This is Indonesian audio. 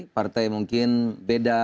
partai mungkin beda